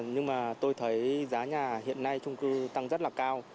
nhưng mà tôi thấy giá nhà hiện nay trung cư tăng rất là cao